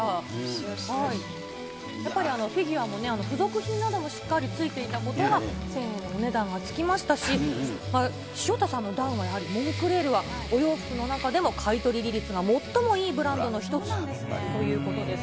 やっぱりフィギュアもね、付属品などもしっかり付いていたことが１０００円のお値段がつきましたし、潮田さんのダウンはやはり、モンクレールはお洋服の中でも買い取り利率が最もいいブランドの一つということです。